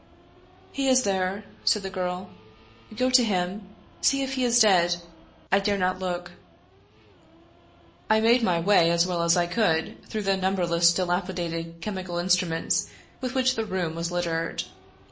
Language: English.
" He is there," said the girl ;" go to him. See if he is dead — I dare not look." I made my way as well as I could through the number less dilapidated chemical instruments with which the room was littered.